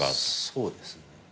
そうですね。